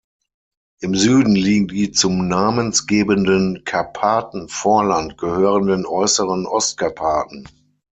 Im Süden liegen die zum namensgebenden Karpatenvorland gehörenden äußeren Ostkarpaten.